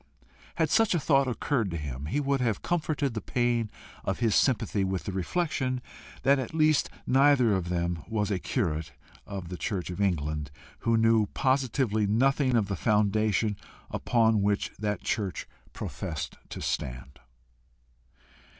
Had such a thought occurred to him, he would have comforted the pain of his sympathy with the reflection that at least neither of them was a curate of the church of England who knew positively nothing of the foundation upon which that church professed to stand.